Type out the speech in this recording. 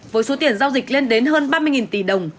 với số tiền giao dịch lên đến hơn ba mươi tỷ đồng